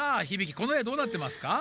この絵どうなってますか？